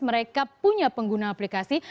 mereka punya pengguna aplikasi